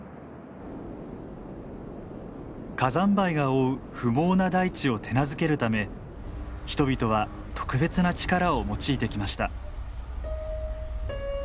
火山灰が覆う不毛な大地を手なずけるため人々は特別な力を用いてきました。